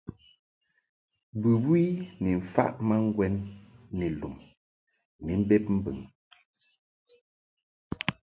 Bɨwi ni mfaʼ ma ŋgwɛn ni lum ni mbeb mbɨŋ.